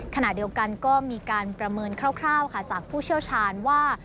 ขณะเดียวกันก็มีการประเมินคร่าวค่ะจากผู้เชี่ยวชาญว่า